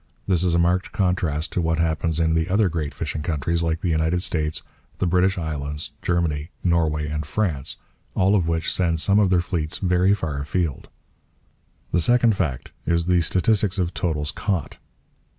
This is a marked contrast to what happens in the other great fishing countries, like the United States, the British islands, Germany, Norway, and France, all of which send some of their fleets very far afield. The second fact is the statistics of totals caught.